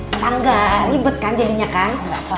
tetangga ribet kan jadinya kan